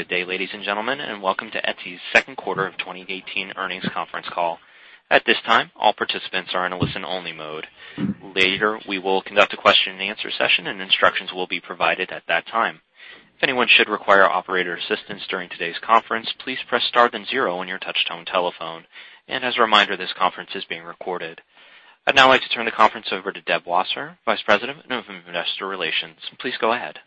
Good day, ladies and gentlemen, welcome to Etsy's second quarter of 2018 earnings conference call. At this time, all participants are in a listen-only mode. Later, we will conduct a question and answer session, and instructions will be provided at that time. If anyone should require operator assistance during today's conference, please press star then zero on your touch-tone telephone. As a reminder, this conference is being recorded. I'd now like to turn the conference over to Deb Wasser, Vice President of Investor Relations. Please go ahead.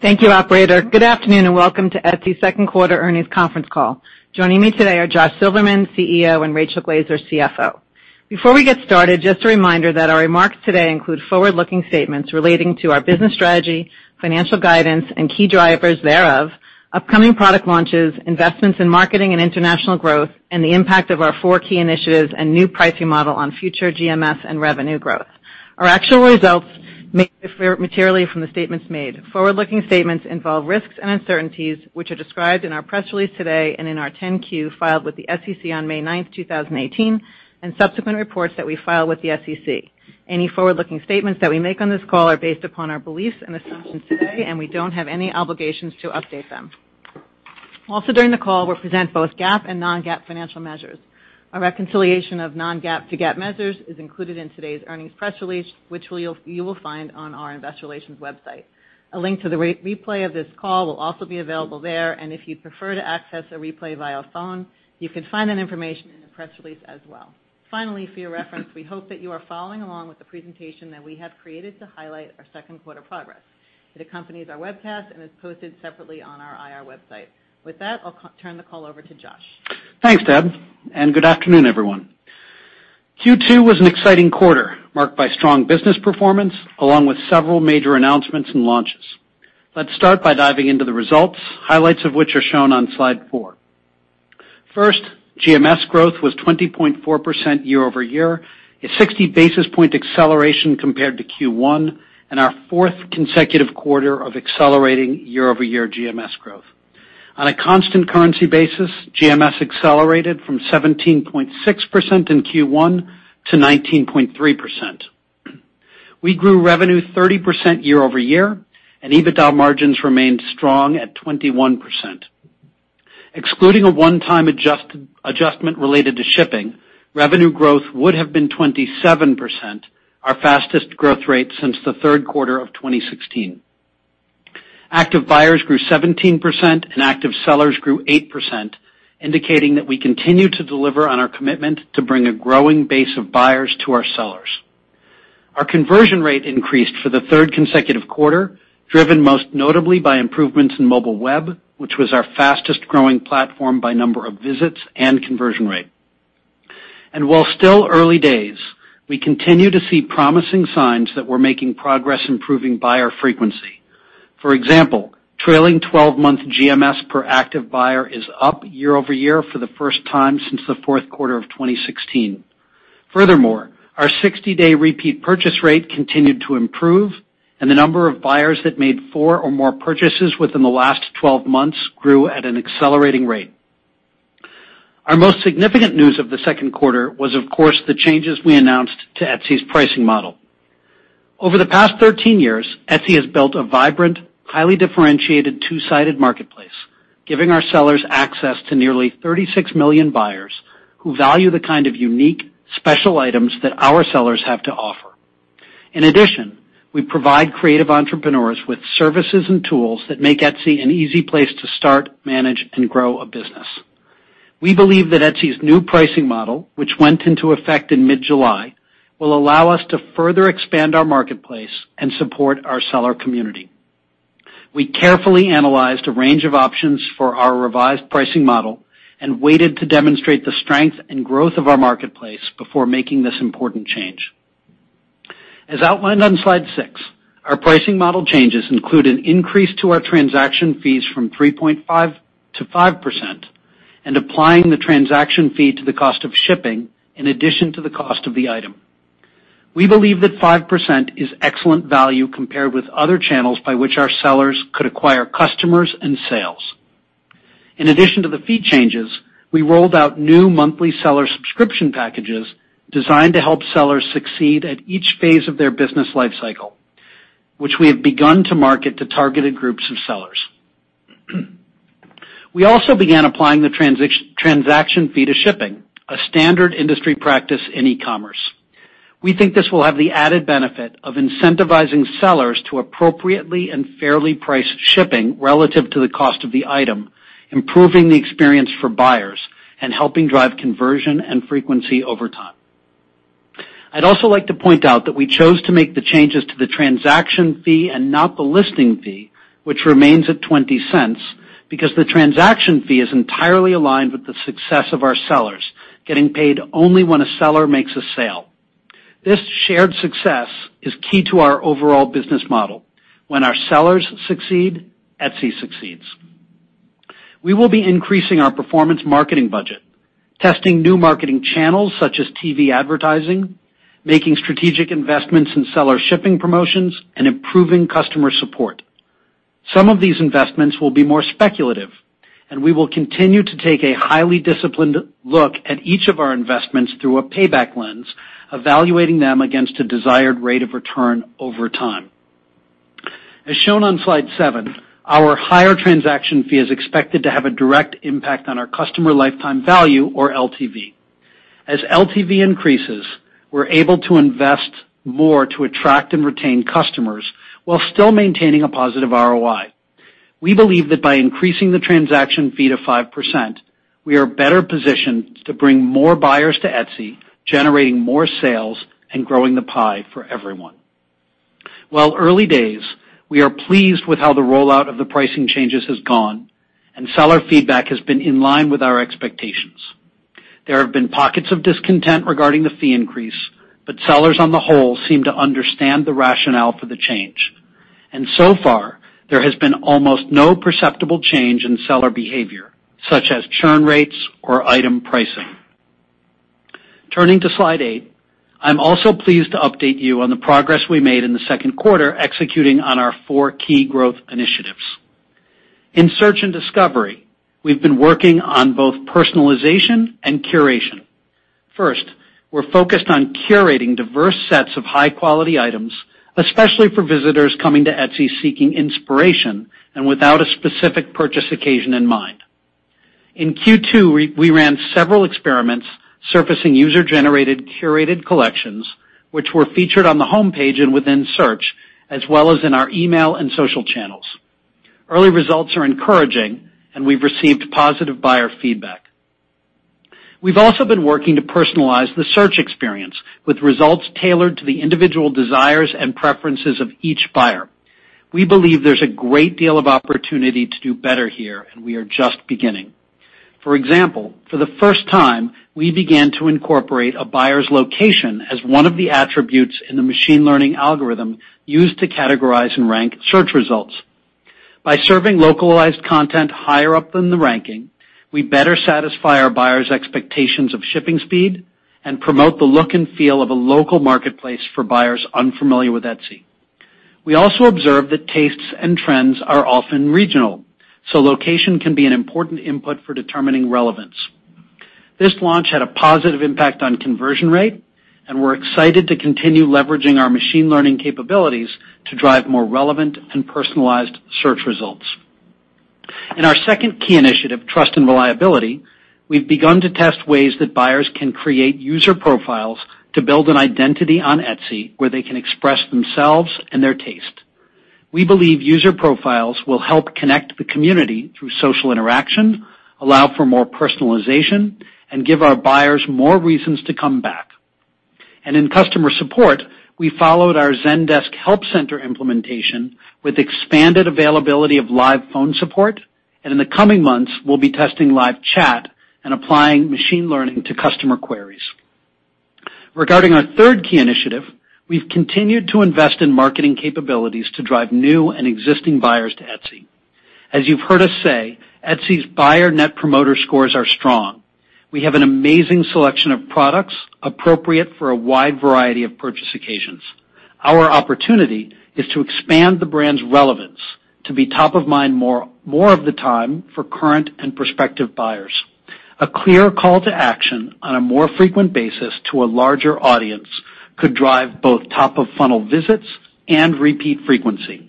Thank you, operator. Good afternoon, welcome to Etsy's second quarter earnings conference call. Joining me today are Josh Silverman, CEO, and Rachel Glaser, CFO. Before we get started, just a reminder that our remarks today include forward-looking statements relating to our business strategy, financial guidance, and key drivers thereof, upcoming product launches, investments in marketing and international growth, and the impact of our four key initiatives and new pricing model on future GMS and revenue growth. Our actual results may differ materially from the statements made. Forward-looking statements involve risks and uncertainties, which are described in our press release today and in our 10-Q filed with the SEC on May 9th, 2018, subsequent reports that we file with the SEC. Any forward-looking statements that we make on this call are based upon our beliefs and assumptions today, we don't have any obligations to update them. Also, during the call, we'll present both GAAP and non-GAAP financial measures. A reconciliation of non-GAAP to GAAP measures is included in today's earnings press release, which you will find on our investor relations website. A link to the replay of this call will also be available there, if you'd prefer to access a replay via phone, you can find that information in the press release as well. Finally, for your reference, we hope that you are following along with the presentation that we have created to highlight our second quarter progress. It accompanies our webcast and is posted separately on our IR website. With that, I'll turn the call over to Josh. Thanks, Deb, good afternoon, everyone. Q2 was an exciting quarter, marked by strong business performance, along with several major announcements and launches. Let's start by diving into the results, highlights of which are shown on slide four. First, GMS growth was 20.4% year-over-year, a 60 basis point acceleration compared to Q1, our fourth consecutive quarter of accelerating year-over-year GMS growth. On a constant currency basis, GMS accelerated from 17.6% in Q1 to 19.3%. We grew revenue 30% year-over-year, EBITDA margins remained strong at 21%. Excluding a one-time adjustment related to shipping, revenue growth would have been 27%, our fastest growth rate since the third quarter of 2016. Active buyers grew 17%, active sellers grew 8%, indicating that we continue to deliver on our commitment to bring a growing base of buyers to our sellers. Our conversion rate increased for the third consecutive quarter, driven most notably by improvements in mobile web, which was our fastest-growing platform by number of visits and conversion rate. While still early days, we continue to see promising signs that we're making progress improving buyer frequency. For example, trailing 12-month GMS per active buyer is up year-over-year for the first time since the fourth quarter of 2016. Furthermore, our 60-day repeat purchase rate continued to improve, and the number of buyers that made four or more purchases within the last 12 months grew at an accelerating rate. Our most significant news of the second quarter was, of course, the changes we announced to Etsy's pricing model. Over the past 13 years, Etsy has built a vibrant, highly differentiated two-sided marketplace, giving our sellers access to nearly 36 million buyers who value the kind of unique, special items that our sellers have to offer. In addition, we provide creative entrepreneurs with services and tools that make Etsy an easy place to start, manage, and grow a business. We believe that Etsy's new pricing model, which went into effect in mid-July, will allow us to further expand our marketplace and support our seller community. We carefully analyzed a range of options for our revised pricing model and waited to demonstrate the strength and growth of our marketplace before making this important change. As outlined on slide six, our pricing model changes include an increase to our transaction fees from 3.5% to 5% and applying the transaction fee to the cost of shipping in addition to the cost of the item. We believe that 5% is excellent value compared with other channels by which our sellers could acquire customers and sales. In addition to the fee changes, we rolled out new monthly seller subscription packages designed to help sellers succeed at each phase of their business life cycle, which we have begun to market to targeted groups of sellers. We also began applying the transaction fee to shipping, a standard industry practice in e-commerce. We think this will have the added benefit of incentivizing sellers to appropriately and fairly price shipping relative to the cost of the item, improving the experience for buyers, and helping drive conversion and frequency over time. I'd also like to point out that we chose to make the changes to the transaction fee and not the listing fee, which remains at $0.20, because the transaction fee is entirely aligned with the success of our sellers, getting paid only when a seller makes a sale. This shared success is key to our overall business model. When our sellers succeed, Etsy succeeds. We will be increasing our performance marketing budget, testing new marketing channels such as TV advertising, making strategic investments in seller shipping promotions, and improving customer support. Some of these investments will be more speculative. We will continue to take a highly disciplined look at each of our investments through a payback lens, evaluating them against a desired rate of return over time. As shown on slide seven, our higher transaction fee is expected to have a direct impact on our customer lifetime value or LTV. As LTV increases, we're able to invest more to attract and retain customers while still maintaining a positive ROI. We believe that by increasing the transaction fee to 5%, we are better positioned to bring more buyers to Etsy, generating more sales and growing the pie for everyone. While early days, we are pleased with how the rollout of the pricing changes has gone, and seller feedback has been in line with our expectations. There have been pockets of discontent regarding the fee increase, but sellers on the whole seem to understand the rationale for the change. So far, there has been almost no perceptible change in seller behavior, such as churn rates or item pricing. Turning to slide eight. I'm also pleased to update you on the progress we made in the second quarter executing on our four key growth initiatives. In search and discovery, we've been working on both personalization and curation. First, we're focused on curating diverse sets of high-quality items, especially for visitors coming to Etsy seeking inspiration and without a specific purchase occasion in mind. In Q2, we ran several experiments surfacing user-generated curated collections, which were featured on the homepage and within search, as well as in our email and social channels. Early results are encouraging, and we've received positive buyer feedback. We've also been working to personalize the search experience with results tailored to the individual desires and preferences of each buyer. We believe there's a great deal of opportunity to do better here, we are just beginning. For example, for the first time, we began to incorporate a buyer's location as one of the attributes in the machine learning algorithm used to categorize and rank search results. By serving localized content higher up in the ranking, we better satisfy our buyers' expectations of shipping speed and promote the look and feel of a local marketplace for buyers unfamiliar with Etsy. We also observed that tastes and trends are often regional, so location can be an important input for determining relevance. This launch had a positive impact on conversion rate, we're excited to continue leveraging our machine learning capabilities to drive more relevant and personalized search results. In our second key initiative, trust and reliability, we've begun to test ways that buyers can create user profiles to build an identity on Etsy, where they can express themselves and their taste. We believe user profiles will help connect the community through social interaction, allow for more personalization, and give our buyers more reasons to come back. In customer support, we followed our Zendesk help center implementation with expanded availability of live phone support, in the coming months, we'll be testing live chat and applying machine learning to customer queries. Regarding our third key initiative, we've continued to invest in marketing capabilities to drive new and existing buyers to Etsy. As you've heard us say, Etsy's buyer net promoter scores are strong. We have an amazing selection of products appropriate for a wide variety of purchase occasions. Our opportunity is to expand the brand's relevance to be top of mind more of the time for current and prospective buyers. A clear call to action on a more frequent basis to a larger audience could drive both top-of-funnel visits and repeat frequency.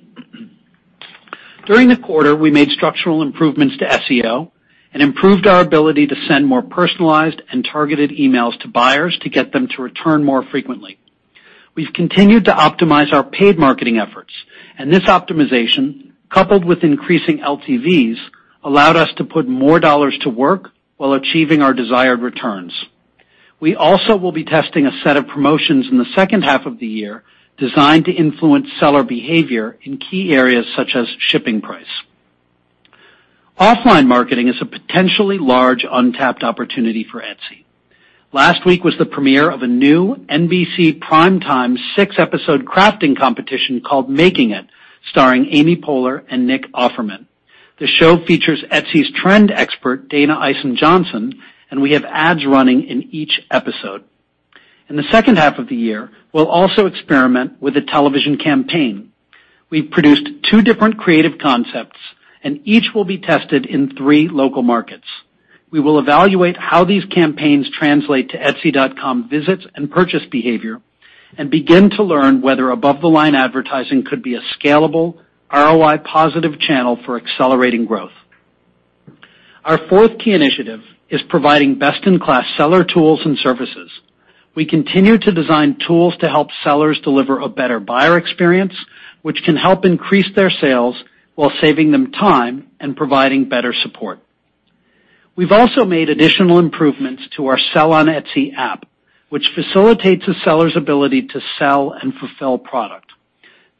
During the quarter, we made structural improvements to SEO and improved our ability to send more personalized and targeted emails to buyers to get them to return more frequently. This optimization, coupled with increasing LTVs, allowed us to put more dollars to work while achieving our desired returns. We also will be testing a set of promotions in the second half of the year designed to influence seller behavior in key areas such as shipping price. Offline marketing is a potentially large untapped opportunity for Etsy. Last week was the premiere of a new NBC prime time six-episode crafting competition called "Making It," starring Amy Poehler and Nick Offerman. The show features Etsy's trend expert, Dayna Isom Johnson, and we have ads running in each episode. In the second half of the year, we'll also experiment with a television campaign. We've produced two different creative concepts, and each will be tested in three local markets. We will evaluate how these campaigns translate to etsy.com visits and purchase behavior and begin to learn whether above-the-line advertising could be a scalable ROI-positive channel for accelerating growth. Our fourth key initiative is providing best-in-class seller tools and services. We continue to design tools to help sellers deliver a better buyer experience, which can help increase their sales while saving them time and providing better support. We've also made additional improvements to our Etsy Seller app, which facilitates a seller's ability to sell and fulfill product.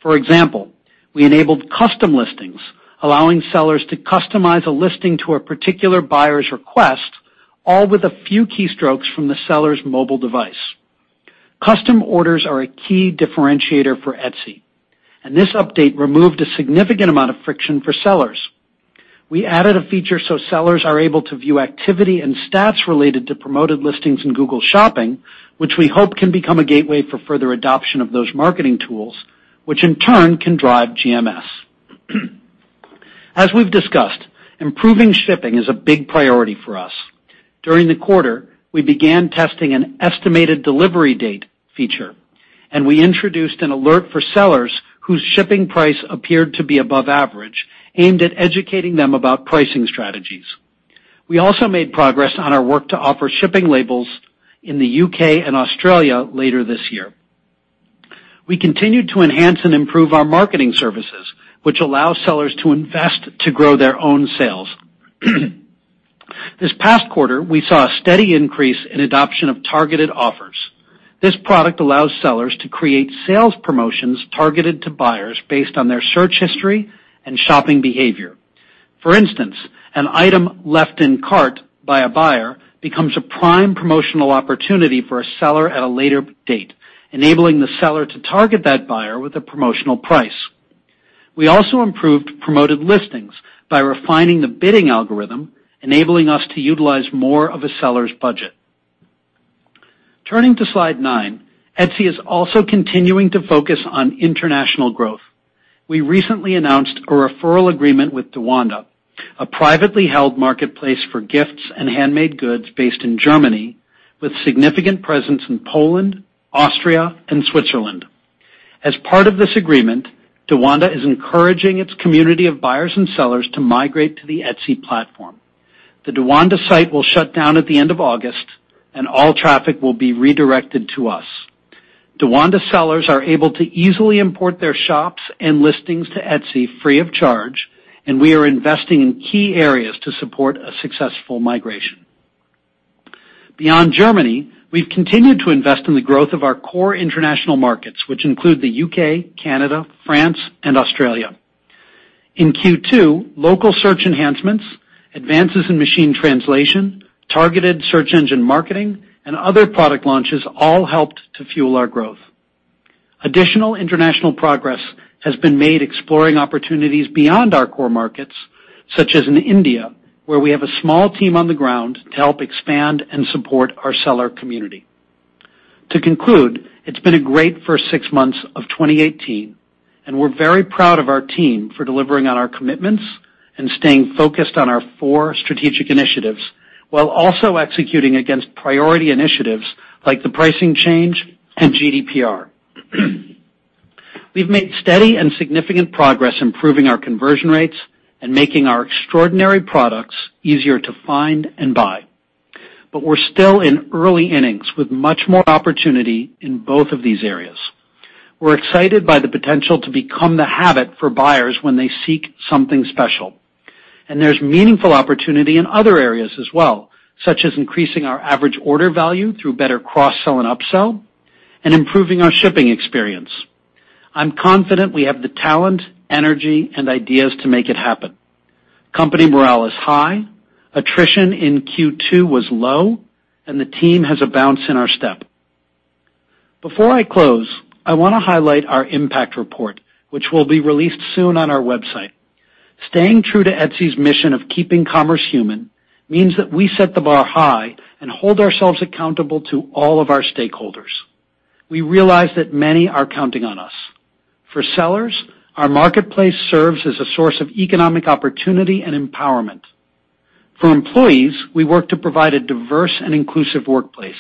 For example, we enabled custom listings, allowing sellers to customize a listing to a particular buyer's request, all with a few keystrokes from the seller's mobile device. Custom orders are a key differentiator for Etsy, and this update removed a significant amount of friction for sellers. We added a feature so sellers are able to view activity and stats related to promoted listings in Google Shopping, which we hope can become a gateway for further adoption of those marketing tools. In turn can drive GMS. As we've discussed, improving shipping is a big priority for us. During the quarter, we began testing an estimated delivery date feature, and we introduced an alert for sellers whose shipping price appeared to be above average, aimed at educating them about pricing strategies. We also made progress on our work to offer shipping labels in the U.K. and Australia later this year. We continued to enhance and improve our marketing services, which allow sellers to invest to grow their own sales. This past quarter, we saw a steady increase in adoption of targeted offers. This product allows sellers to create sales promotions targeted to buyers based on their search history and shopping behavior. For instance, an item left in cart by a buyer becomes a prime promotional opportunity for a seller at a later date, enabling the seller to target that buyer with a promotional price. We also improved promoted listings by refining the bidding algorithm, enabling us to utilize more of a seller's budget. Turning to Slide nine, Etsy is also continuing to focus on international growth. We recently announced a referral agreement with DaWanda, a privately held marketplace for gifts and handmade goods based in Germany, with significant presence in Poland, Austria, and Switzerland. As part of this agreement, DaWanda is encouraging its community of buyers and sellers to migrate to the Etsy platform. The DaWanda site will shut down at the end of August, and all traffic will be redirected to us. DaWanda sellers are able to easily import their shops and listings to Etsy free of charge, and we are investing in key areas to support a successful migration. Beyond Germany, we've continued to invest in the growth of our core international markets, which include the U.K., Canada, France, and Australia. In Q2, local search enhancements, advances in machine translation, targeted search engine marketing, and other product launches all helped to fuel our growth. Additional international progress has been made exploring opportunities beyond our core markets, such as in India, where we have a small team on the ground to help expand and support our seller community. To conclude, it's been a great first six months of 2018, and we're very proud of our team for delivering on our commitments and staying focused on our four strategic initiatives, while also executing against priority initiatives like the pricing change and GDPR. We've made steady and significant progress improving our conversion rates and making our extraordinary products easier to find and buy. We're still in early innings with much more opportunity in both of these areas. We're excited by the potential to become the habit for buyers when they seek something special. There's meaningful opportunity in other areas as well, such as increasing our average order value through better cross-sell and up-sell, and improving our shipping experience. I'm confident we have the talent, energy, and ideas to make it happen. Company morale is high, attrition in Q2 was low, and the team has a bounce in our step. Before I close, I want to highlight our impact report, which will be released soon on our website. Staying true to Etsy's mission of keeping commerce human means that we set the bar high and hold ourselves accountable to all of our stakeholders. We realize that many are counting on us. For sellers, our marketplace serves as a source of economic opportunity and empowerment. For employees, we work to provide a diverse and inclusive workplace.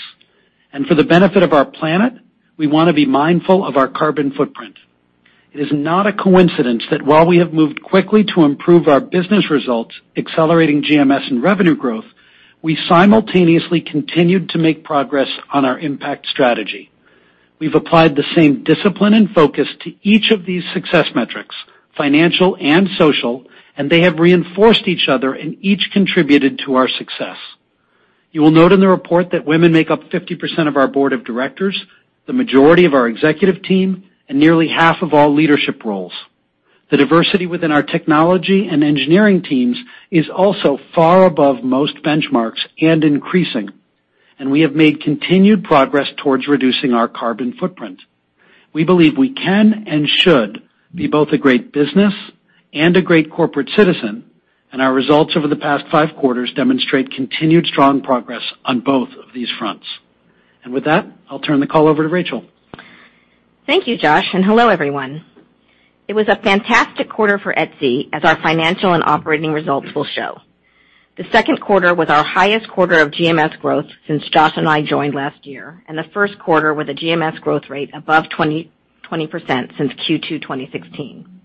And for the benefit of our planet, we want to be mindful of our carbon footprint. It is not a coincidence that while we have moved quickly to improve our business results, accelerating GMS and revenue growth, we simultaneously continued to make progress on our impact strategy. We've applied the same discipline and focus to each of these success metrics, financial and social, and they have reinforced each other and each contributed to our success. You will note in the report that women make up 50% of our board of directors, the majority of our executive team, and nearly half of all leadership roles. The diversity within our technology and engineering teams is also far above most benchmarks and increasing, and we have made continued progress towards reducing our carbon footprint. We believe we can and should be both a great business and a great corporate citizen, and our results over the past five quarters demonstrate continued strong progress on both of these fronts. With that, I'll turn the call over to Rachel. Thank you, Josh. Hello, everyone. It was a fantastic quarter for Etsy as our financial and operating results will show. The second quarter was our highest quarter of GMS growth since Josh and I joined last year, and the first quarter with a GMS growth rate above 20% since Q2 2016.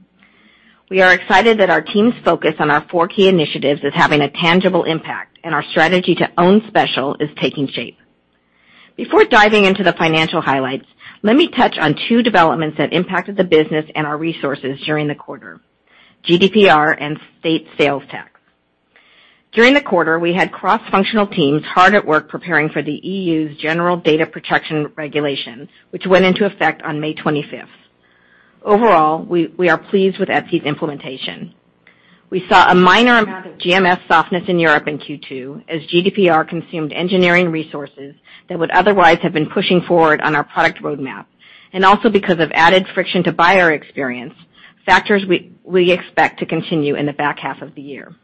We are excited that our team's focus on our four key initiatives is having a tangible impact, and our strategy to own special is taking shape. Before diving into the financial highlights, let me touch on two developments that impacted the business and our resources during the quarter, GDPR and state sales tax. During the quarter, we had cross-functional teams hard at work preparing for the EU's General Data Protection Regulation, which went into effect on May 25th. Overall, we are pleased with Etsy's implementation. We saw a minor amount of GMS softness in Europe in Q2 as GDPR consumed engineering resources that would otherwise have been pushing forward on our product roadmap, and also because of added friction to buyer experience, factors we expect to continue in the back half of the year.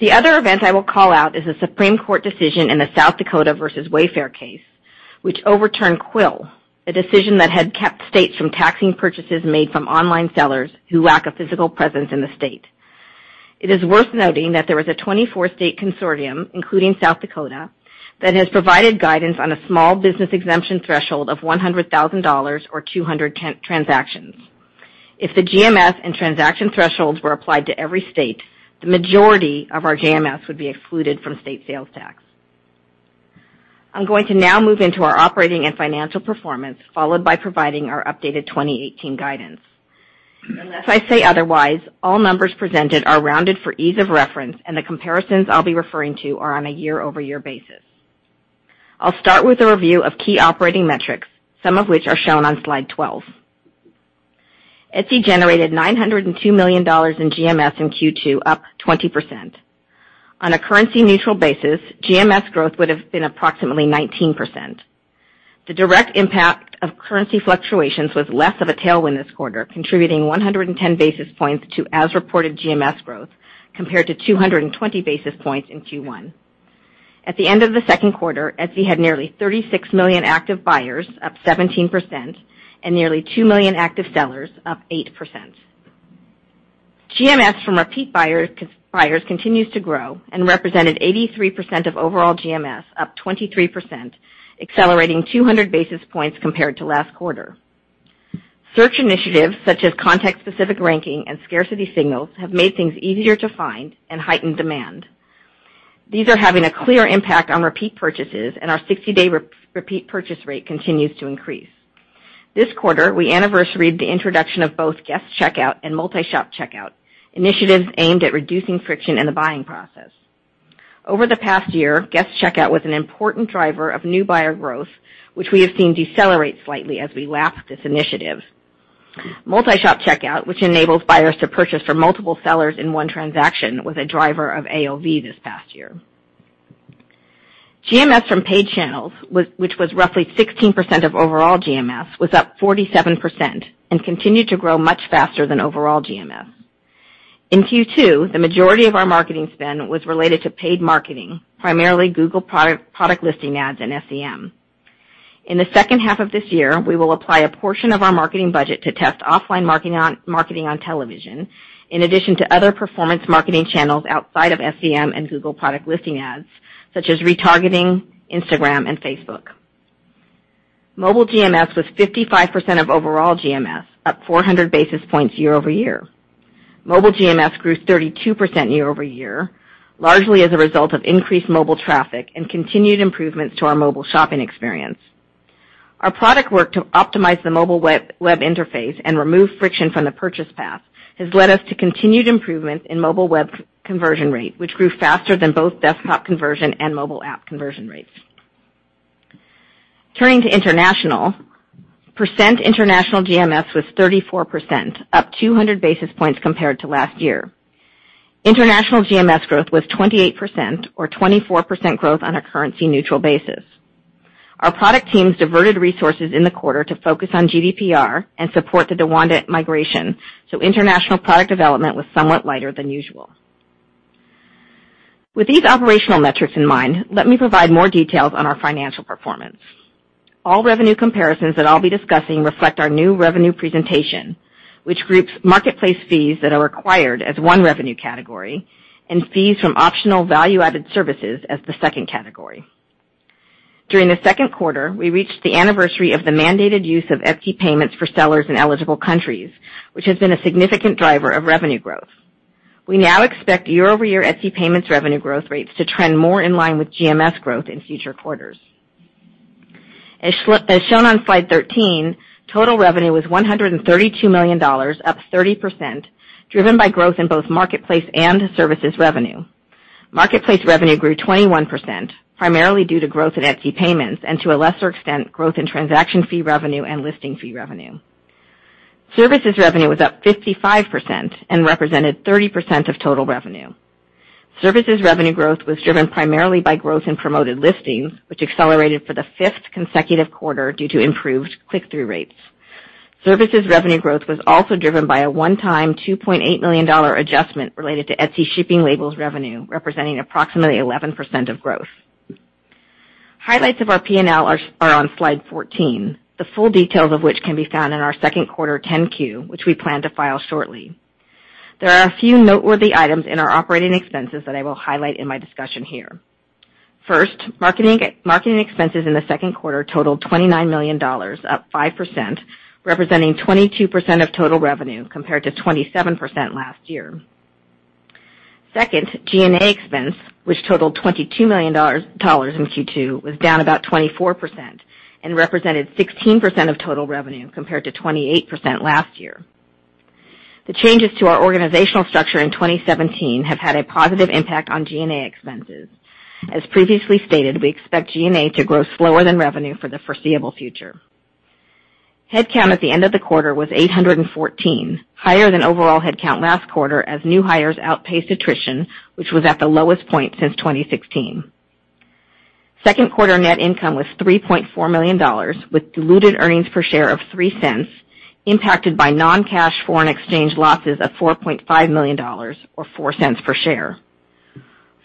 The other event I will call out is the Supreme Court decision in the South Dakota versus Wayfair case, which overturned Quill, a decision that had kept states from taxing purchases made from online sellers who lack a physical presence in the state. It is worth noting that there was a 24-state consortium, including South Dakota, that has provided guidance on a small business exemption threshold of $100,000 or 200 transactions. If the GMS and transaction thresholds were applied to every state, the majority of our GMS would be excluded from state sales tax. I'm going to now move into our operating and financial performance, followed by providing our updated 2018 guidance. Unless I say otherwise, all numbers presented are rounded for ease of reference, and the comparisons I'll be referring to are on a year-over-year basis. I'll start with a review of key operating metrics, some of which are shown on slide 12. Etsy generated $902 million in GMS in Q2, up 20%. On a currency-neutral basis, GMS growth would've been approximately 19%. The direct impact of currency fluctuations was less of a tailwind this quarter, contributing 110 basis points to as-reported GMS growth, compared to 220 basis points in Q1. At the end of the second quarter, Etsy had nearly 36 million active buyers, up 17%, and nearly two million active sellers, up 8%. GMS from repeat buyers continues to grow and represented 83% of overall GMS, up 23%, accelerating 200 basis points compared to last quarter. Search initiatives, such as context-specific ranking and scarcity signals, have made things easier to find and heighten demand. These are having a clear impact on repeat purchases, and our 60-day repeat purchase rate continues to increase. This quarter, we anniversaried the introduction of both guest checkout and multi-shop checkout, initiatives aimed at reducing friction in the buying process. Over the past year, guest checkout was an important driver of new buyer growth, which we have seen decelerate slightly as we lap this initiative. Multi-shop checkout, which enables buyers to purchase from multiple sellers in one transaction, was a driver of AOV this past year. GMS from paid channels, which was roughly 16% of overall GMS, was up 47% and continued to grow much faster than overall GMS. In Q2, the majority of our marketing spend was related to paid marketing, primarily Google Product Listing Ads and SEM. In the second half of this year, we will apply a portion of our marketing budget to test offline marketing on television, in addition to other performance marketing channels outside of SEM and Google Product Listing Ads, such as retargeting Instagram and Facebook. Mobile GMS was 55% of overall GMS, up 400 basis points year-over-year. Mobile GMS grew 32% year-over-year, largely as a result of increased mobile traffic and continued improvements to our mobile shopping experience. Our product work to optimize the mobile web interface and remove friction from the purchase path has led us to continued improvements in mobile web conversion rate, which grew faster than both desktop conversion and mobile app conversion rates. Turning to international, percent international GMS was 34%, up 200 basis points compared to last year. International GMS growth was 28%, or 24% growth on a currency-neutral basis. Our product teams diverted resources in the quarter to focus on GDPR and support the DaWanda migration, so international product development was somewhat lighter than usual. With these operational metrics in mind, let me provide more details on our financial performance. All revenue comparisons that I'll be discussing reflect our new revenue presentation, which groups marketplace fees that are acquired as one revenue category and fees from optional value-added services as the second category. During the second quarter, we reached the anniversary of the mandated use of Etsy Payments for sellers in eligible countries, which has been a significant driver of revenue growth. We now expect year-over-year Etsy Payments revenue growth rates to trend more in line with GMS growth in future quarters. As shown on slide 13, total revenue was $132 million, up 30%, driven by growth in both marketplace and services revenue. Marketplace revenue grew 21%, primarily due to growth in Etsy Payments and, to a lesser extent, growth in transaction fee revenue and listing fee revenue. Services revenue was up 55% and represented 30% of total revenue. Services revenue growth was driven primarily by growth in promoted listings, which accelerated for the fifth consecutive quarter due to improved click-through rates. Services revenue growth was also driven by a one-time $2.8 million adjustment related to Etsy Shipping Labels revenue, representing approximately 11% of growth. Highlights of our P&L are on slide 14, the full details of which can be found in our second quarter 10-Q, which we plan to file shortly. There are a few noteworthy items in our operating expenses that I will highlight in my discussion here. First, marketing expenses in the second quarter totaled $29 million, up 5%, representing 22% of total revenue, compared to 27% last year. Second, G&A expense, which totaled $22 million in Q2, was down about 24% and represented 16% of total revenue, compared to 28% last year. The changes to our organizational structure in 2017 have had a positive impact on G&A expenses. As previously stated, we expect G&A to grow slower than revenue for the foreseeable future. Headcount at the end of the quarter was 814, higher than overall headcount last quarter as new hires outpaced attrition, which was at the lowest point since 2016. Second quarter net income was $3.4 million with diluted earnings per share of $0.03, impacted by non-cash foreign exchange losses of $4.5 million or $0.04 per share.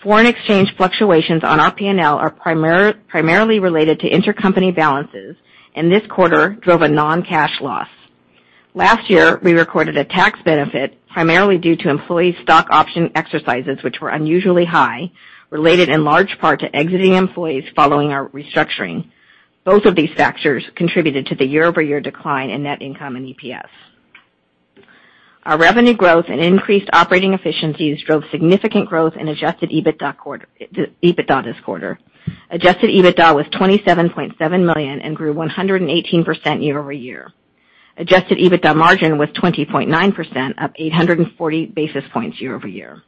Foreign exchange fluctuations on our P&L are primarily related to intercompany balances, and this quarter drove a non-cash loss. Last year, we recorded a tax benefit primarily due to employee stock option exercises, which were unusually high, related in large part to exiting employees following our restructuring. Both of these factors contributed to the year-over-year decline in net income and EPS. Our revenue growth and increased operating efficiencies drove significant growth in adjusted EBITDA this quarter. Adjusted EBITDA was $27.7 million and grew 118% year-over-year. Adjusted EBITDA margin was 20.9%, up 840 basis points year-over-year.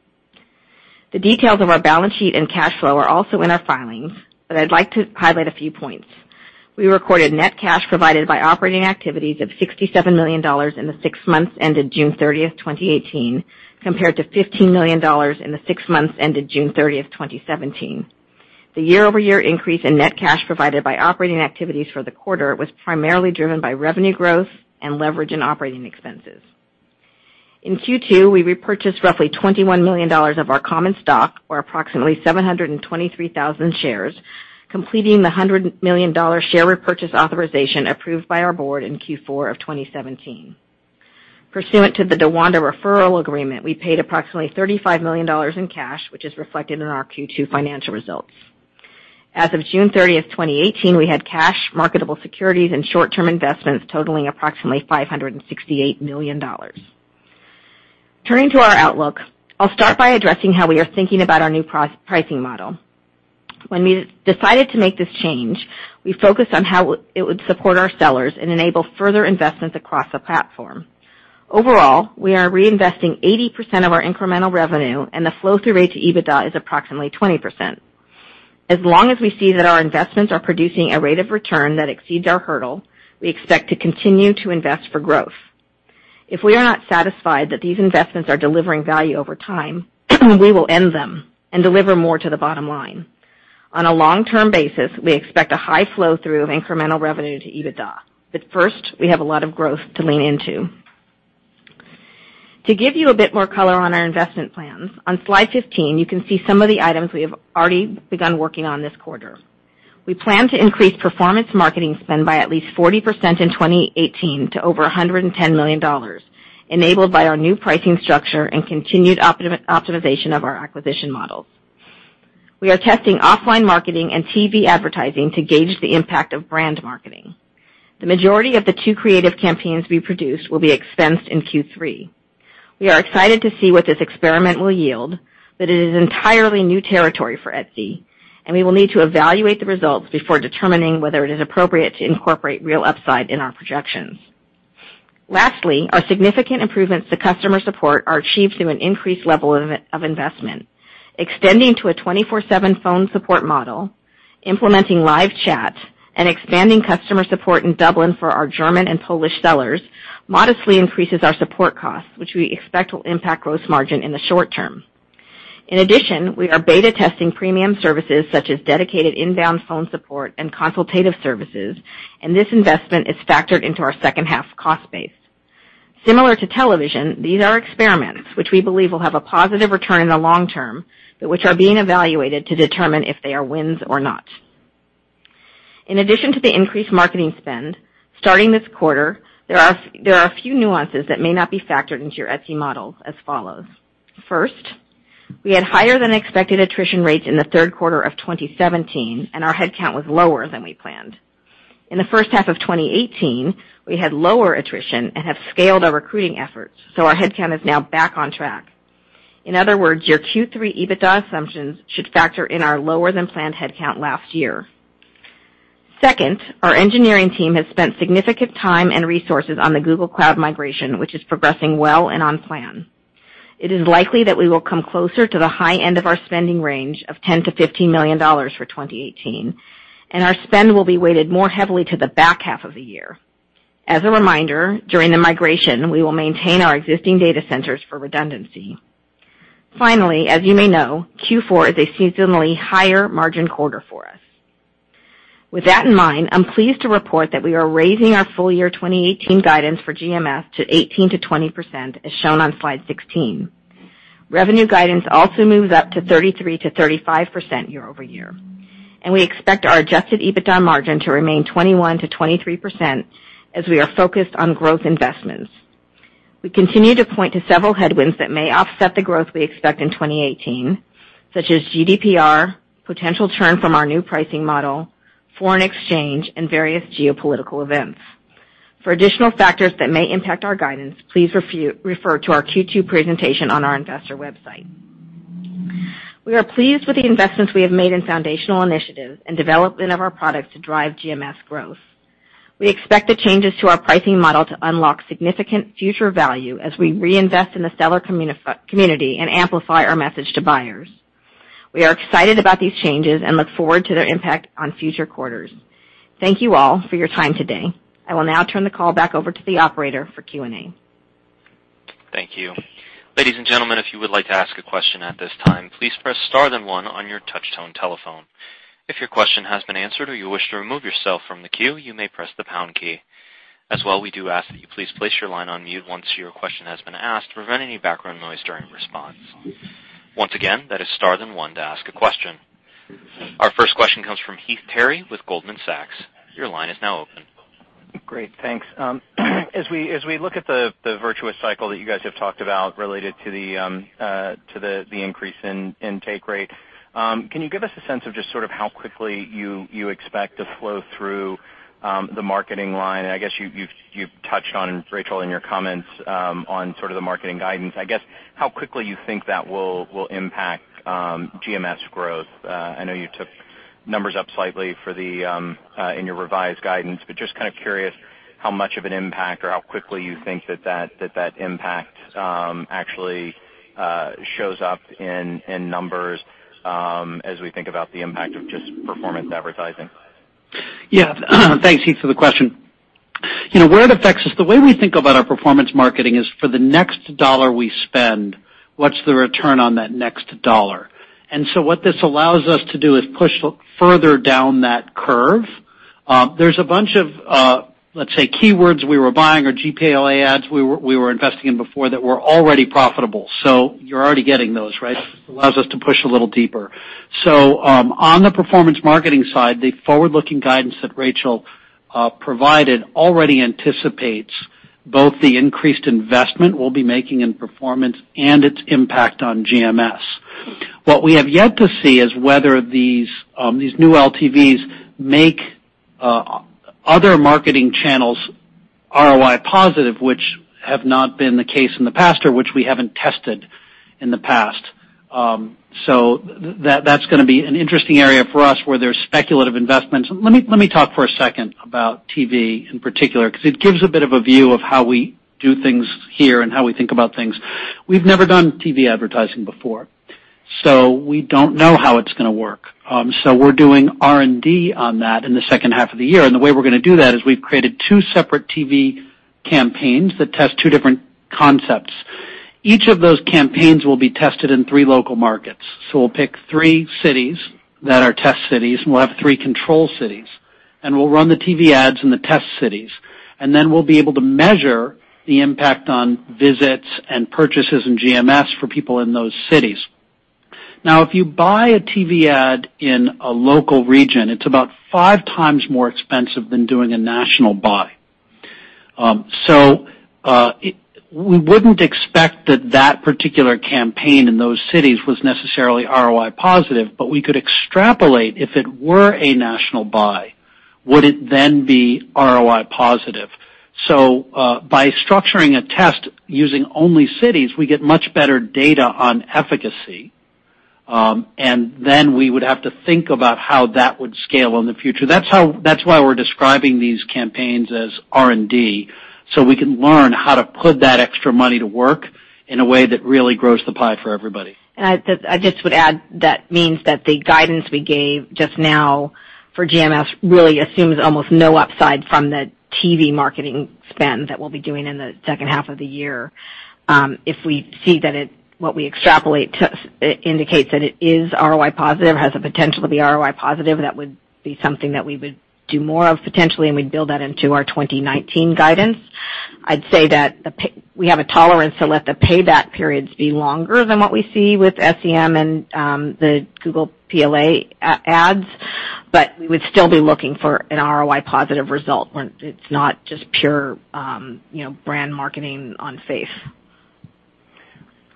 The details of our balance sheet and cash flow are also in our filings, but I'd like to highlight a few points. We recorded net cash provided by operating activities of $67 million in the six months ended June 30th, 2018, compared to $15 million in the six months ended June 30th, 2017. The year-over-year increase in net cash provided by operating activities for the quarter was primarily driven by revenue growth and leverage in operating expenses. In Q2, we repurchased roughly $21 million of our common stock, or approximately 723,000 shares, completing the $100 million share repurchase authorization approved by our board in Q4 of 2017. Pursuant to the DaWanda referral agreement, we paid approximately $35 million in cash, which is reflected in our Q2 financial results. As of June 30th, 2018, we had cash, marketable securities, and short-term investments totaling approximately $568 million. Turning to our outlook, I'll start by addressing how we are thinking about our new pricing model. When we decided to make this change, we focused on how it would support our sellers and enable further investments across the platform. Overall, we are reinvesting 80% of our incremental revenue, and the flow-through rate to EBITDA is approximately 20%. As long as we see that our investments are producing a rate of return that exceeds our hurdle, we expect to continue to invest for growth. If we are not satisfied that these investments are delivering value over time, we will end them and deliver more to the bottom line. On a long-term basis, we expect a high flow-through of incremental revenue to EBITDA. First, we have a lot of growth to lean into. To give you a bit more color on our investment plans, on slide 15, you can see some of the items we have already begun working on this quarter. We plan to increase performance marketing spend by at least 40% in 2018 to over $110 million, enabled by our new pricing structure and continued optimization of our acquisition models. We are testing offline marketing and TV advertising to gauge the impact of brand marketing. The majority of the two creative campaigns we produce will be expensed in Q3. We are excited to see what this experiment will yield, but it is entirely new territory for Etsy, and we will need to evaluate the results before determining whether it is appropriate to incorporate real upside in our projections. Lastly, our significant improvements to customer support are achieved through an increased level of investment. Extending to a 24/7 phone support model, implementing live chat, and expanding customer support in Dublin for our German and Polish sellers modestly increases our support costs, which we expect will impact gross margin in the short term. In addition, we are beta testing premium services such as dedicated inbound phone support and consultative services, and this investment is factored into our second half cost base. Similar to television, these are experiments which we believe will have a positive return in the long term, but which are being evaluated to determine if they are wins or not. In addition to the increased marketing spend, starting this quarter, there are a few nuances that may not be factored into your Etsy model, as follows. First, we had higher than expected attrition rates in the third quarter of 2017, and our headcount was lower than we planned. In the first half of 2018, we had lower attrition and have scaled our recruiting efforts, our headcount is now back on track. In other words, your Q3 EBITDA assumptions should factor in our lower than planned headcount last year. Second, our engineering team has spent significant time and resources on the Google Cloud migration, which is progressing well and on plan. It is likely that we will come closer to the high end of our spending range of $10 million-$15 million for 2018, and our spend will be weighted more heavily to the back half of the year. As a reminder, during the migration, we will maintain our existing data centers for redundancy. Finally, as you may know, Q4 is a seasonally higher margin quarter for us. With that in mind, I'm pleased to report that we are raising our full year 2018 guidance for GMS to 18%-20%, as shown on slide 16. Revenue guidance also moves up to 33%-35% year-over-year. We expect our adjusted EBITDA margin to remain 21%-23% as we are focused on growth investments. We continue to point to several headwinds that may offset the growth we expect in 2018, such as GDPR, potential churn from our new pricing model, foreign exchange, and various geopolitical events. For additional factors that may impact our guidance, please refer to our Q2 presentation on our investor website. We are pleased with the investments we have made in foundational initiatives and development of our products to drive GMS growth. We expect the changes to our pricing model to unlock significant future value as we reinvest in the seller community and amplify our message to buyers. We are excited about these changes and look forward to their impact on future quarters. Thank you all for your time today. I will now turn the call back over to the operator for Q&A. Thank you. Ladies and gentlemen, if you would like to ask a question at this time, please press star then one on your touch-tone telephone. If your question has been answered or you wish to remove yourself from the queue, you may press the pound key. As well, we do ask that you please place your line on mute once your question has been asked to prevent any background noise during response. Once again, that is star then one to ask a question. Our first question comes from Heath Terry with Goldman Sachs. Your line is now open. Great, thanks. As we look at the virtuous cycle that you guys have talked about related to the increase in take rate, can you give us a sense of just sort of how quickly you expect to flow through the marketing line? I guess you've touched on, Rachel, in your comments on sort of the marketing guidance. I guess, how quickly you think that will impact GMS growth. I know you took numbers up slightly in your revised guidance, but just kind of curious how much of an impact or how quickly you think that impact actually shows up in numbers as we think about the impact of just performance advertising. Yeah. Thanks, Heath, for the question. Where it affects us, the way we think about our performance marketing is for the next dollar we spend, what's the return on that next dollar? What this allows us to do is push further down that curve. There's a bunch of, let's say, keywords we were buying or PLA ads we were investing in before that were already profitable. You're already getting those, right? This allows us to push a little deeper. On the performance marketing side, the forward-looking guidance that Rachel provided already anticipates both the increased investment we'll be making in performance and its impact on GMS. What we have yet to see is whether these new LTVs make other marketing channels ROI positive, which have not been the case in the past or which we haven't tested in the past. That's gonna be an interesting area for us where there's speculative investments. Let me talk for a second about TV in particular, because it gives a bit of a view of how we do things here and how we think about things. We've never done TV advertising before, so we don't know how it's gonna work. We're doing R&D on that in the second half of the year. The way we're gonna do that is we've created two separate TV campaigns that test two different concepts. Each of those campaigns will be tested in three local markets. We'll pick three cities that are test cities, and we'll have three control cities. We'll run the TV ads in the test cities, and then we'll be able to measure the impact on visits and purchases and GMS for people in those cities. If you buy a TV ad in a local region, it's about five times more expensive than doing a national buy. We wouldn't expect that that particular campaign in those cities was necessarily ROI positive, but we could extrapolate if it were a national buy, would it then be ROI positive? By structuring a test using only cities, we get much better data on efficacy. We would have to think about how that would scale in the future. That's why we're describing these campaigns as R&D, so we can learn how to put that extra money to work in a way that really grows the pie for everybody. I just would add, that means that the guidance we gave just now for GMS really assumes almost no upside from the TV marketing spend that we'll be doing in the second half of the year. If we see that what we extrapolate indicates that it is ROI positive, has the potential to be ROI positive, that would be something that we would do more of potentially, and we'd build that into our 2019 guidance. I'd say that we have a tolerance to let the payback periods be longer than what we see with SEM and the Google PLA ads, but we would still be looking for an ROI positive result where it's not just pure brand marketing on faith.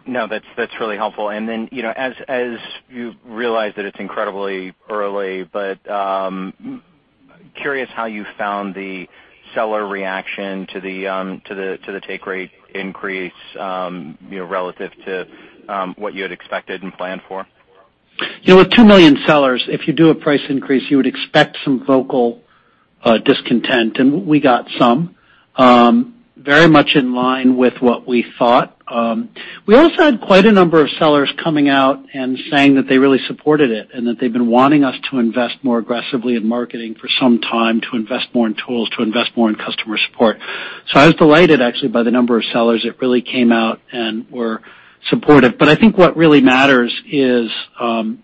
That's really helpful. As you realize that it's incredibly early, but curious how you found the seller reaction to the take rate increase relative to what you had expected and planned for. With two million sellers, if you do a price increase, you would expect some vocal discontent, and we got some. Very much in line with what we thought. We also had quite a number of sellers coming out and saying that they really supported it, and that they've been wanting us to invest more aggressively in marketing for some time, to invest more in tools, to invest more in customer support. I was delighted, actually, by the number of sellers that really came out and were supportive. I think what really matters is